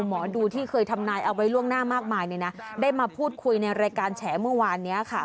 หมอดูที่เคยทำนายเอาไว้ล่วงหน้ามากมายได้มาพูดคุยในรายการแฉเมื่อวานนี้ค่ะ